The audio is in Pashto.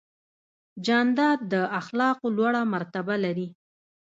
جانداد د اخلاقو لوړه مرتبه لري.